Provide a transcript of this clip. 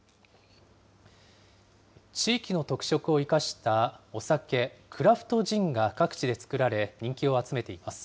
地域の特色を生かしたお酒、クラフトジンが各地で造られ、人気を集めています。